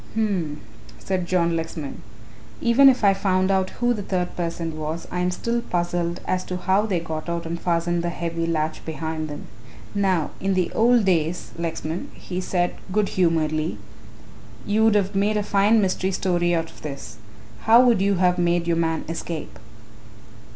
"H'm," said John Lexman. "Even if I found who the third person was, I am still puzzled as to how they got out and fastened the heavy latch behind them. Now in the old days, Lexman," he said good humouredly, "you would have made a fine mystery story out of this. How would you have made your man escape?"